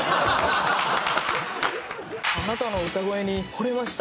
「あなたの歌声にほれました！」